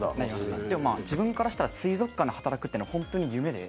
でも自分からしたら水族館で働くっていうのは本当に夢で。